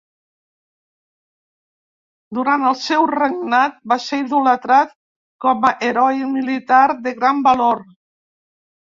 Durant el seu regnat, va ser idolatrat com a heroi militar de gran valor.